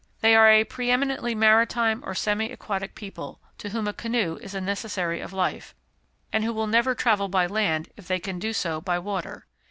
They are a pre eminently maritime or semi aquatic people, to whom a canoe is a necessary of life, and who will never travel by land if they can do so by water.